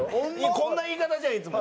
こんな言い方じゃんいつも。